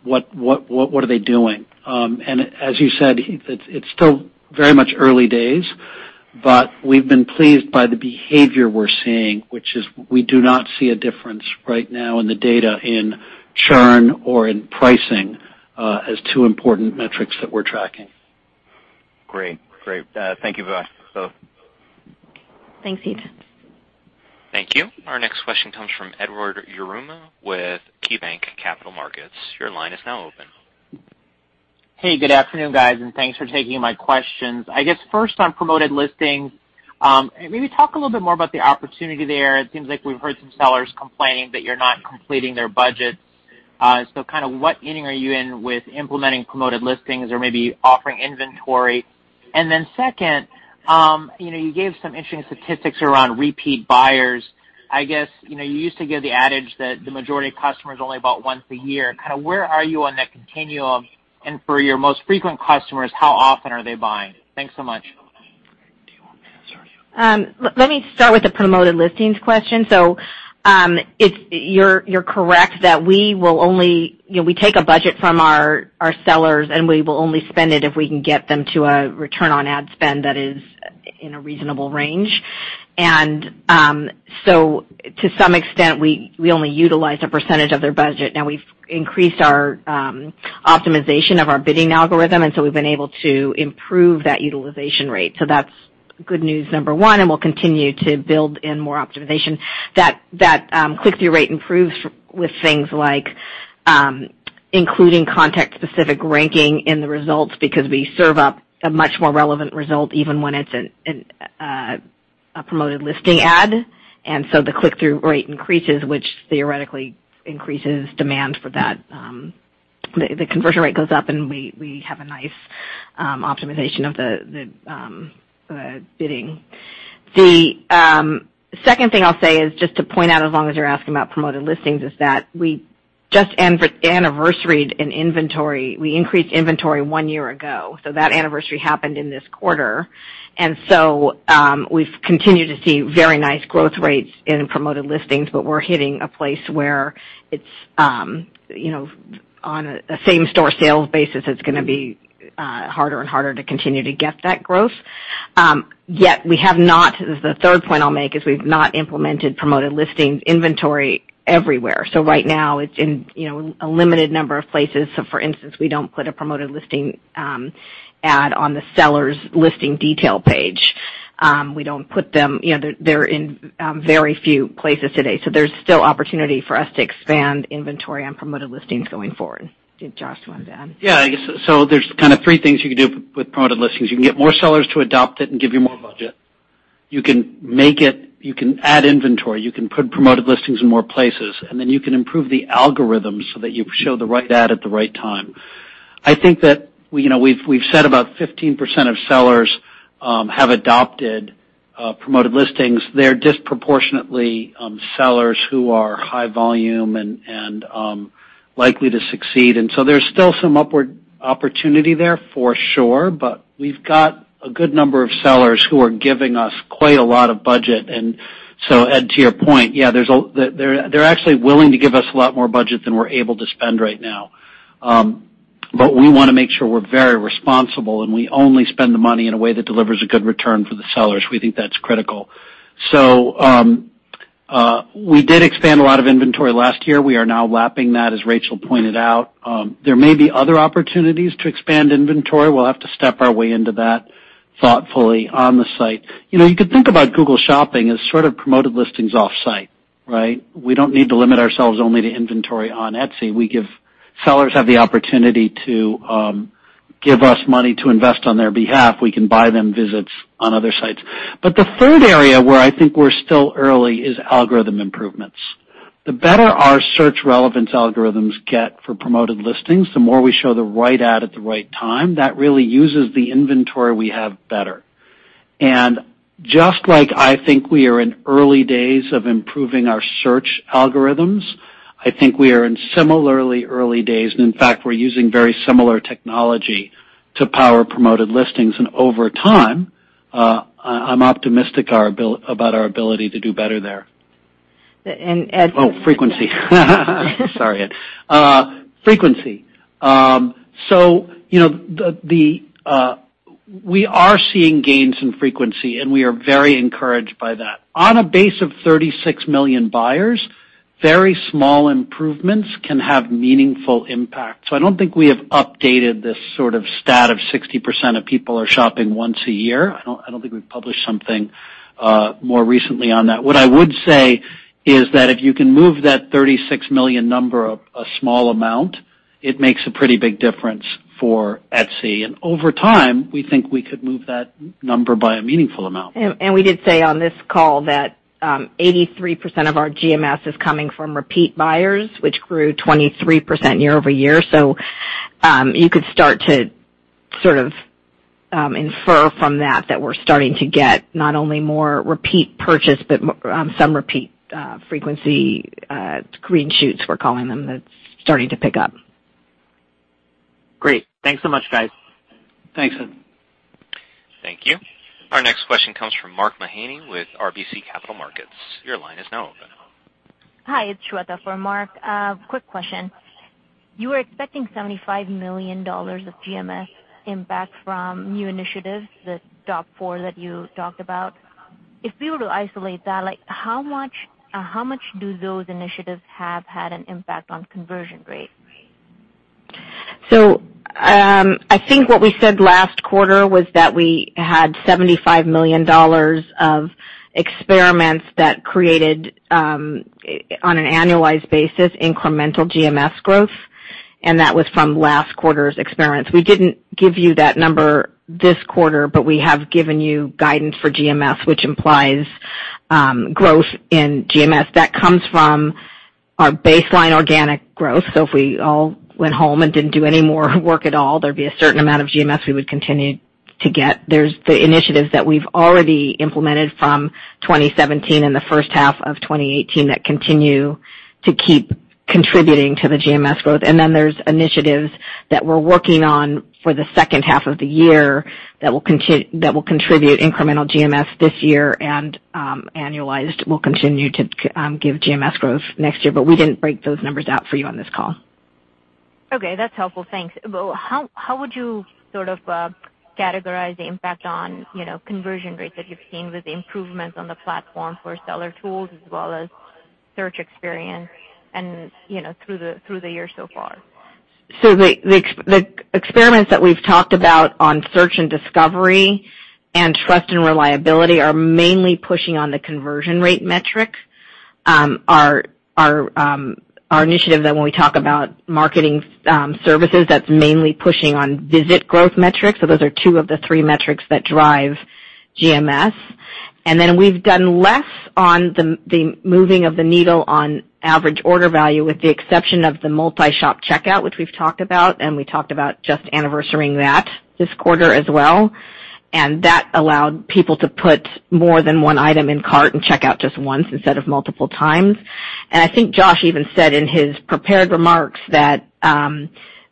what are they doing? As you said, Heath, it's still very much early days, but we've been pleased by the behavior we're seeing, which is we do not see a difference right now in the data in churn or in pricing as two important metrics that we're tracking. Great. Thank you both. Thanks, Heath. Thank you. Our next question comes from Edward Yruma with KeyBanc Capital Markets. Your line is now open. Hey, good afternoon, guys. Thanks for taking my questions. I guess first on promoted listings, maybe talk a little bit more about the opportunity there. It seems like we've heard some sellers complaining that you're not completing their budgets. What inning are you in with implementing promoted listings or maybe offering inventory? Second, you gave some interesting statistics around repeat buyers. I guess, you used to give the adage that the majority of customers only bought once a year. Where are you on that continuum? For your most frequent customers, how often are they buying? Thanks so much. Do you want me to start? Let me start with the promoted listings question. You're correct that we take a budget from our sellers, and we will only spend it if we can get them to a return on ad spend that is in a reasonable range. To some extent, we only utilize a percentage of their budget. We've increased our optimization of our bidding algorithm, and we've been able to improve that utilization rate. That's good news number one, and we'll continue to build in more optimization. That click-through rate improves with things like including context-specific ranking in the results because we serve up a much more relevant result even when it's a promoted listing ad. The click-through rate increases, which theoretically increases demand for that. The conversion rate goes up, and we have a nice optimization of the bidding. The second thing I'll say is just to point out, as long as you're asking about promoted listings, is that we just anniversaried an inventory. We increased inventory one year ago, so that anniversary happened in this quarter. We've continued to see very nice growth rates in promoted listings, but we're hitting a place where on a same-store sales basis, it's going to be harder and harder to continue to get that growth. Yet we have not, this is the third point I'll make, is we've not implemented promoted listings inventory everywhere. Right now it's in a limited number of places. For instance, we don't put a promoted listing ad on the sellers listing detail page. They're in very few places today. There's still opportunity for us to expand inventory on promoted listings going forward. Did Josh want to add? Yeah. There's kind of three things you can do with promoted listings. You can get more sellers to adopt it and give you more budget. You can add inventory. You can put promoted listings in more places, and then you can improve the algorithms so that you show the right ad at the right time. I think that we've said about 15% of sellers have adopted promoted listings. They're disproportionately sellers who are high volume and likely to succeed. Ed, to your point, yeah, they're actually willing to give us a lot more budget than we're able to spend right now. We want to make sure we're very responsible, and we only spend the money in a way that delivers a good return for the sellers. We think that's critical. We did expand a lot of inventory last year. We are now lapping that, as Rachel pointed out. There may be other opportunities to expand inventory. We'll have to step our way into that thoughtfully on the site. You could think about Google Shopping as sort of promoted listings offsite, right? We don't need to limit ourselves only to inventory on Etsy. Sellers have the opportunity to give us money to invest on their behalf. We can buy them visits on other sites. The third area where I think we're still early is algorithm improvements. The better our search relevance algorithms get for promoted listings, the more we show the right ad at the right time. That really uses the inventory we have better. Just like I think we are in early days of improving our search algorithms, I think we are in similarly early days, and in fact, we're using very similar technology to power promoted listings. Over time, I'm optimistic about our ability to do better there. Ed- Oh, frequency. Sorry, Ed. Frequency. We are seeing gains in frequency, and we are very encouraged by that. On a base of 36 million buyers, very small improvements can have meaningful impact. I don't think we have updated this sort of stat of 60% of people are shopping once a year. I don't think we've published something more recently on that. What I would say is that if you can move that 36 million number a small amount, it makes a pretty big difference for Etsy. Over time, we think we could move that number by a meaningful amount. We did say on this call that 83% of our GMS is coming from repeat buyers, which grew 23% year-over-year. You could start to sort of infer from that that we're starting to get not only more repeat purchase, but some repeat frequency, green shoots we're calling them, that's starting to pick up. Great. Thanks so much, guys. Thanks, Ed. Thank you. Our next question comes from Mark Mahaney with RBC Capital Markets. Your line is now open. Hi, it is Shweta for Mark. Quick question. You were expecting $75 million of GMS impact from new initiatives, the top four that you talked about. If we were to isolate that, how much do those initiatives have had an impact on conversion rate? I think what we said last quarter was that we had $75 million of experiments that created, on an annualized basis, incremental GMS growth. That was from last quarter's experiments. We didn't give you that number this quarter, we have given you guidance for GMS, which implies growth in GMS that comes from our baseline organic growth. If we all went home and didn't do any more work at all, there would be a certain amount of GMS we would continue to get. There is the initiatives that we have already implemented from 2017 and the first half of 2018 that continue to keep contributing to the GMS growth. There is initiatives that we are working on for the second half of the year that will contribute incremental GMS this year and, annualized, will continue to give GMS growth next year. We didn't break those numbers out for you on this call. Okay, that is helpful. Thanks. How would you sort of categorize the impact on conversion rates that you have seen with the improvements on the platform for seller tools as well as search experience and through the year so far? The experiments that we've talked about on search and discovery and trust and reliability are mainly pushing on the conversion rate metric. Our initiative that when we talk about marketing services, that's mainly pushing on visit growth metrics. Those are two of the three metrics that drive GMS. Then we've done less on the moving of the needle on average order value, with the exception of the multi-shop checkout, which we've talked about, and we talked about just anniversarying that this quarter as well. That allowed people to put more than one item in cart and check out just once instead of multiple times. I think Josh even said in his prepared remarks that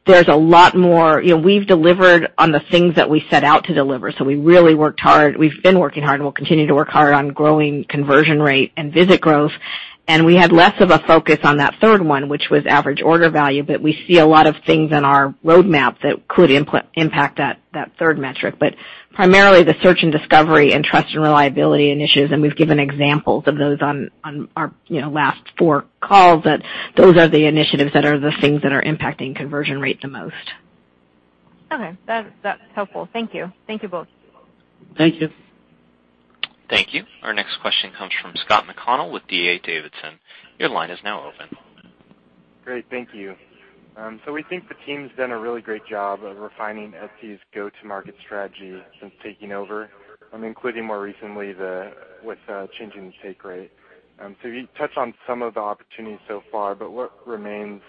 we've delivered on the things that we set out to deliver. We really worked hard. We've been working hard, and we'll continue to work hard on growing conversion rate and visit growth. We had less of a focus on that third one, which was average order value. We see a lot of things in our roadmap that could impact that third metric. Primarily the search and discovery and trust and reliability initiatives, and we've given examples of those on our last four calls, that those are the initiatives that are the things that are impacting conversion rate the most. Okay. That's helpful. Thank you. Thank you both. Thank you. Thank you. Our next question comes from Scott McConnell with D.A. Davidson. Your line is now open. Great. Thank you. We think the team's done a really great job of refining Etsy's go-to-market strategy since taking over, including more recently with changing the take rate. You touched on some of the opportunities so far, but what remains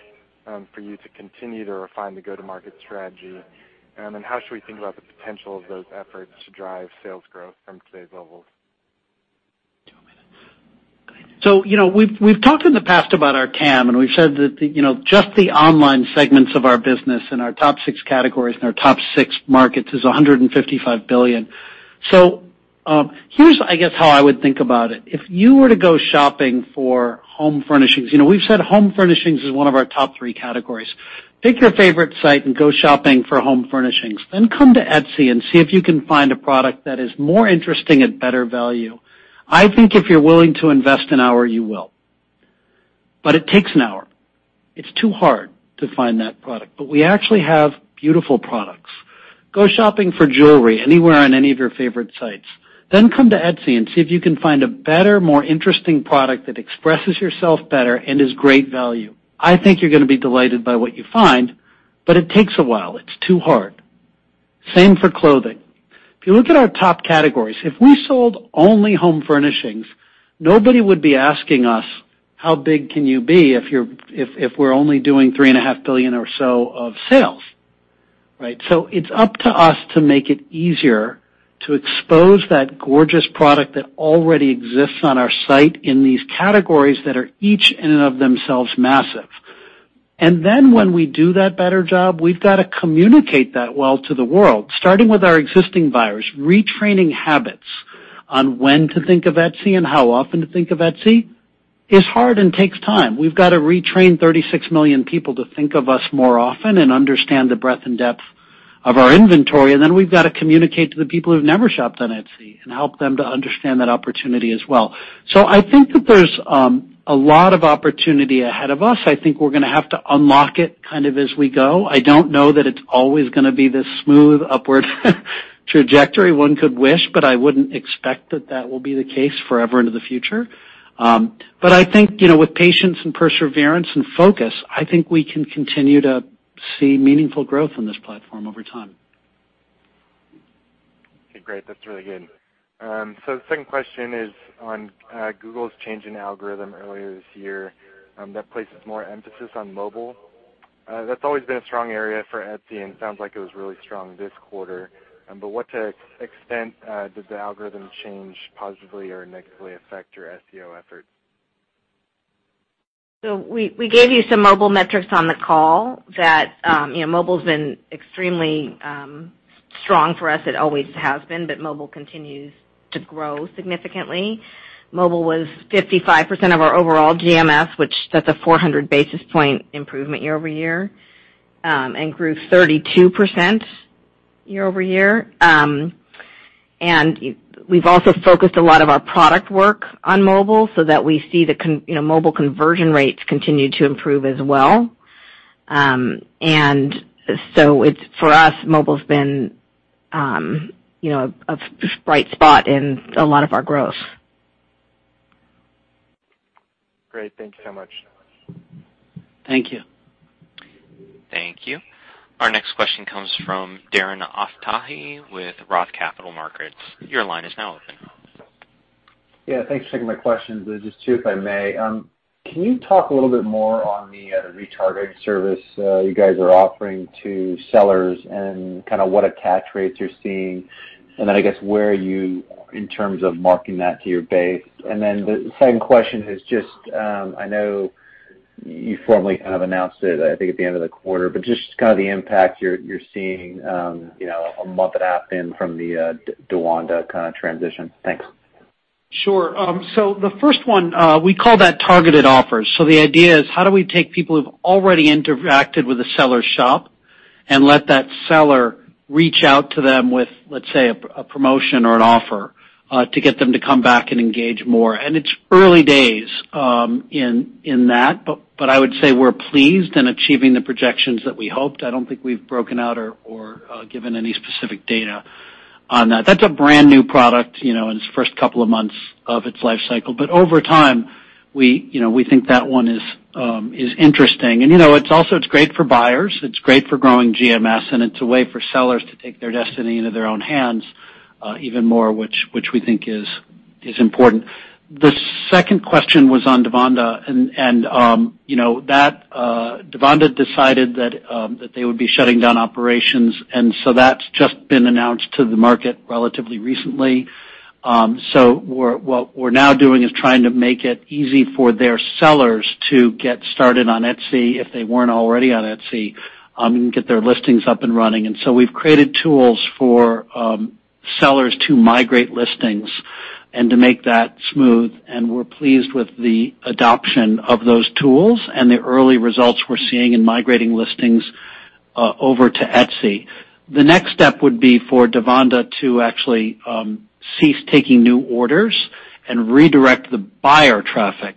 for you to continue to refine the go-to-market strategy? How should we think about the potential of those efforts to drive sales growth from today's levels? Two minutes. Go ahead. We've talked in the past about our TAM, and we've said that just the online segments of our business in our top 6 categories and our top 6 markets is $155 billion. Here's, I guess, how I would think about it. If you were to go shopping for home furnishings, we've said home furnishings is one of our top 3 categories. Pick your favorite site and go shopping for home furnishings. Come to Etsy and see if you can find a product that is more interesting at better value. I think if you're willing to invest an hour, you will. It takes an hour. It's too hard to find that product. We actually have beautiful products. Go shopping for jewelry anywhere on any of your favorite sites. Come to Etsy and see if you can find a better, more interesting product that expresses yourself better and is great value. I think you're going to be delighted by what you find, but it takes a while. It's too hard. Same for clothing. If you look at our top categories, if we sold only home furnishings, nobody would be asking us, how big can you be if we're only doing three and a half billion or so of sales, right? It's up to us to make it easier to expose that gorgeous product that already exists on our site in these categories that are each in and of themselves massive. When we do that better job, we've got to communicate that well to the world, starting with our existing buyers. Retraining habits on when to think of Etsy and how often to think of Etsy is hard and takes time. We've got to retrain 36 million people to think of us more often and understand the breadth and depth of our inventory. Then we've got to communicate to the people who've never shopped on Etsy and help them to understand that opportunity as well. I think that there's a lot of opportunity ahead of us. I think we're going to have to unlock it kind of as we go. I don't know that it's always going to be this smooth upward trajectory one could wish, but I wouldn't expect that that will be the case forever into the future. I think, with patience and perseverance and focus, I think we can continue to see meaningful growth in this platform over time. Okay, great. That's really good. The second question is on Google's change in algorithm earlier this year that places more emphasis on mobile. That's always been a strong area for Etsy, and it sounds like it was really strong this quarter. But what extent did the algorithm change positively or negatively affect your SEO efforts? We gave you some mobile metrics on the call that mobile's been extremely strong for us. It always has been, mobile continues to grow significantly. Mobile was 55% of our overall GMS, which that's a 400 basis point improvement year-over-year, and grew 32% year-over-year. We've also focused a lot of our product work on mobile so that we see the mobile conversion rates continue to improve as well. For us, mobile's been a bright spot in a lot of our growth. Great. Thank you so much. Thank you. Thank you. Our next question comes from Darren Aftahi with Roth Capital Partners. Your line is now open. Yeah, thanks for taking my questions. Just two, if I may. Can you talk a little bit more on the retargeting service you guys are offering to sellers and kind of what attach rates you're seeing, and then, I guess, where are you in terms of marking that to your base? Then the second question is just, I know you formally kind of announced it, I think, at the end of the quarter, but just kind of the impact you're seeing a month and a half in from the DaWanda kind of transition. Thanks. Sure. The first one, we call that targeted offers. The idea is how do we take people who've already interacted with a seller shop and let that seller reach out to them with, let's say, a promotion or an offer, to get them to come back and engage more. It's early days in that, but I would say we're pleased in achieving the projections that we hoped. I don't think we've broken out or given any specific data on that. That's a brand-new product in its first couple of months of its life cycle. Over time, we think that one is interesting. It's also great for buyers, it's great for growing GMS, and it's a way for sellers to take their destiny into their own hands, even more, which we think is important. The second question was on DaWanda, and DaWanda decided that they would be shutting down operations, and so that's just been announced to the market relatively recently. What we're now doing is trying to make it easy for their sellers to get started on Etsy if they weren't already on Etsy, and get their listings up and running. We've created tools for sellers to migrate listings and to make that smooth. We're pleased with the adoption of those tools and the early results we're seeing in migrating listings over to Etsy. The next step would be for DaWanda to actually cease taking new orders and redirect the buyer traffic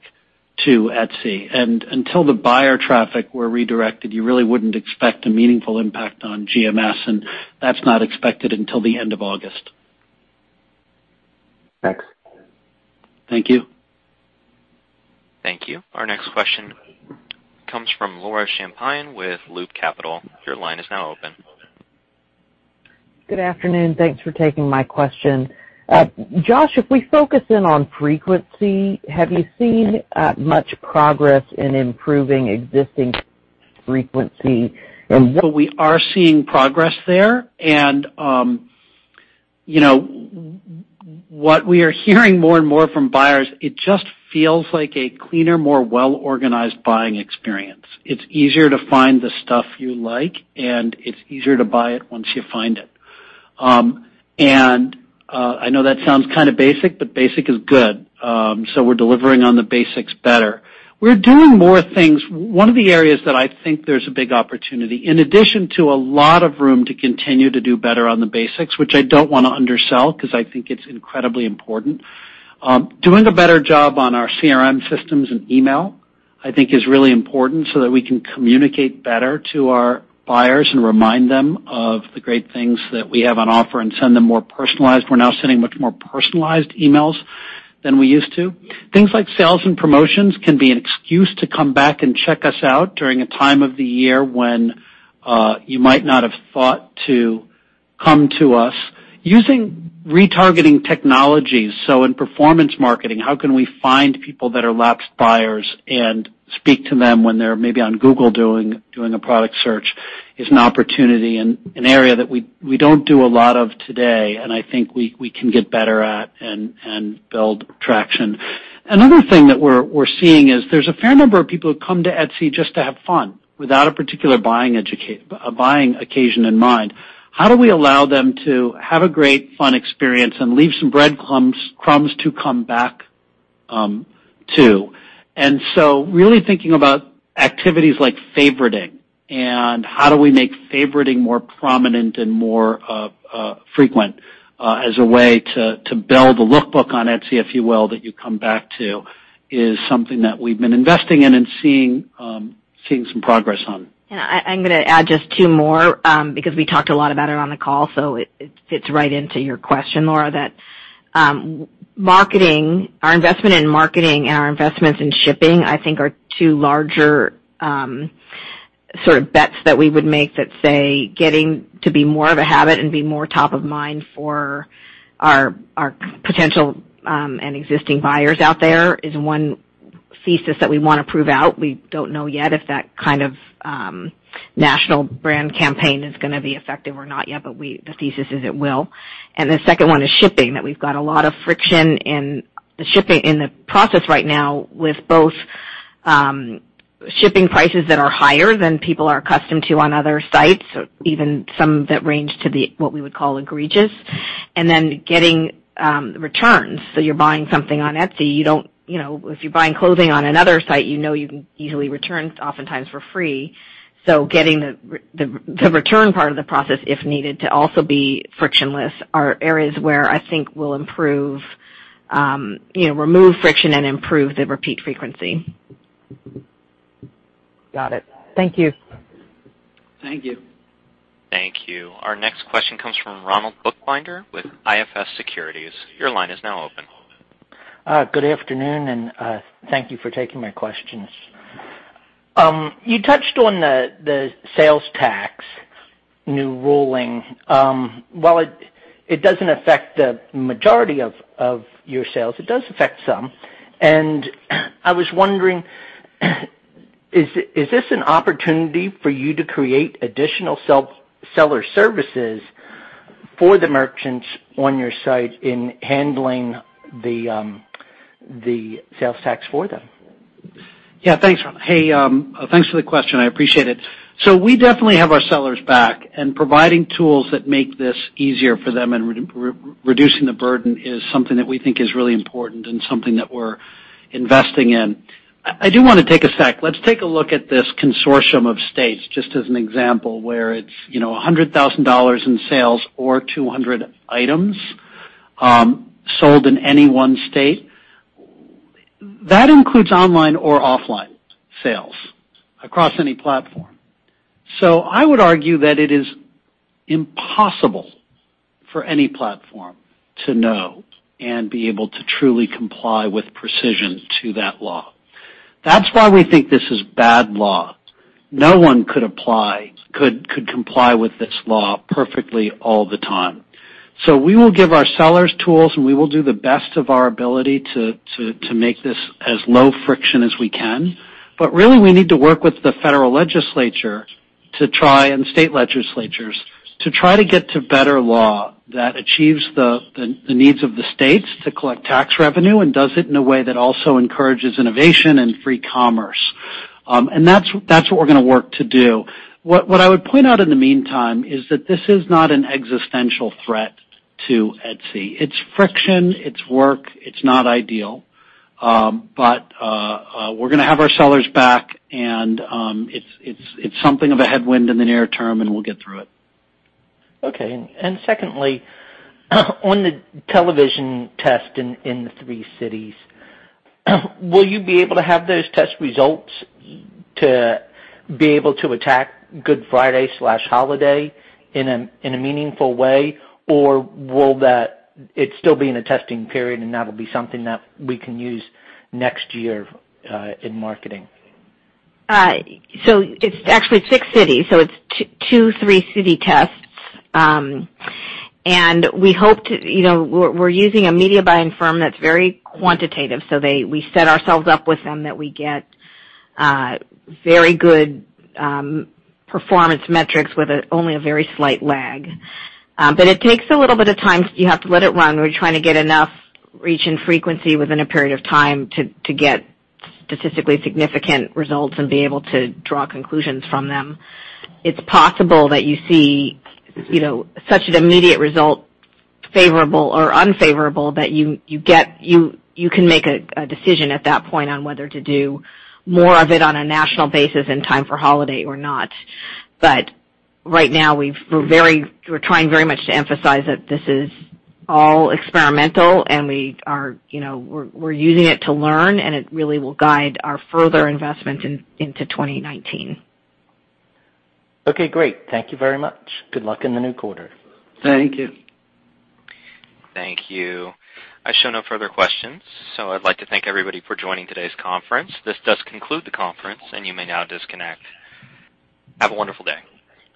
to Etsy. Until the buyer traffic were redirected, you really wouldn't expect a meaningful impact on GMS, and that's not expected until the end of August. Thanks. Thank you. Thank you. Our next question comes from Laura Champine with Loop Capital. Your line is now open. Good afternoon. Thanks for taking my question. Josh, if we focus in on frequency, have you seen much progress in improving existing frequency and what. We are seeing progress there. What we are hearing more and more from buyers, it just feels like a cleaner, more well-organized buying experience. It's easier to find the stuff you like, and it's easier to buy it once you find it. I know that sounds kind of basic, but basic is good. We're delivering on the basics better. We're doing more things. One of the areas that I think there's a big opportunity, in addition to a lot of room to continue to do better on the basics, which I don't want to undersell because I think it's incredibly important. Doing a better job on our CRM systems and email, I think, is really important so that we can communicate better to our buyers and remind them of the great things that we have on offer and send them more personalized. We're now sending much more personalized emails than we used to. Things like sales and promotions can be an excuse to come back and check us out during a time of the year when you might not have thought to come to us. Using retargeting technologies, so in performance marketing, how can we find people that are lapsed buyers and speak to them when they're maybe on Google doing a product search, is an opportunity and an area that we don't do a lot of today, and I think we can get better at and build traction. Another thing that we're seeing is there's a fair number of people who come to Etsy just to have fun, without a particular buying occasion in mind. How do we allow them to have a great, fun experience and leave some breadcrumbs to come back to? Really thinking about activities like favoriting and how do we make favoriting more prominent and more frequent as a way to build a lookbook on Etsy, if you will, that you come back to, is something that we've been investing in and seeing some progress on. I'm going to add just 2 more, because we talked a lot about it on the call, so it fits right into your question, Laura, that our investment in marketing and our investments in shipping, I think, are 2 larger sort of bets that we would make that say getting to be more of a habit and be more top of mind for our potential, and existing buyers out there is one thesis that we want to prove out. We don't know yet if that kind of national brand campaign is going to be effective or not yet, but the thesis is it will. The 2nd one is shipping, that we've got a lot of friction in the process right now with both shipping prices that are higher than people are accustomed to on other sites, even some that range to what we would call egregious. Getting returns. You're buying something on Etsy, if you're buying clothing on another site, you know you can easily return oftentimes for free. Getting the return part of the process, if needed, to also be frictionless are areas where I think remove friction and improve the repeat frequency. Got it. Thank you. Thank you. Thank you. Our next question comes from Ronald Buchbinder with IFS Securities. Your line is now open. Good afternoon, and thank you for taking my questions. You touched on the sales tax new ruling. While it doesn't affect the majority of your sales, it does affect some. I was wondering, is this an opportunity for you to create additional seller services for the merchants on your site in handling the sales tax for them? Yeah. Thanks. Hey, thanks for the question. I appreciate it. We definitely have our sellers' back, and providing tools that make this easier for them and reducing the burden is something that we think is really important and something that we're investing in. I do want to take a sec. Let's take a look at this consortium of states, just as an example, where it's $100,000 in sales or 200 items sold in any one state. That includes online or offline sales across any platform. I would argue that it is impossible for any platform to know and be able to truly comply with precision to that law. That's why we think this is bad law. No one could comply with this law perfectly all the time. We will give our sellers tools, and we will do the best of our ability to make this as low friction as we can. Really, we need to work with the federal legislature and state legislatures to try to get to better law that achieves the needs of the states to collect tax revenue and does it in a way that also encourages innovation and free commerce. That's what we're going to work to do. What I would point out in the meantime is that this is not an existential threat to Etsy. It's friction, it's work. It's not ideal. We're going to have our sellers' back, and it's something of a headwind in the near term, and we'll get through it. Okay. Secondly, on the television test in the three cities, will you be able to have those test results to be able to attack Good Friday/holiday in a meaningful way, or it still be in a testing period and that'll be something that we can use next year in marketing? It's actually 6 cities, it's 2 three-city tests. We're using a media buying firm that's very quantitative, we set ourselves up with them that we get very good performance metrics with only a very slight lag. It takes a little bit of time. You have to let it run. We're trying to get enough reach and frequency within a period of time to get statistically significant results and be able to draw conclusions from them. It's possible that you see such an immediate result, favorable or unfavorable, that you can make a decision at that point on whether to do more of it on a national basis in time for holiday or not. Right now, we're trying very much to emphasize that this is all experimental, and we're using it to learn, and it really will guide our further investment into 2019. Great. Thank you very much. Good luck in the new quarter. Thank you. Thank you. I show no further questions, I'd like to thank everybody for joining today's conference. This does conclude the conference, you may now disconnect. Have a wonderful day.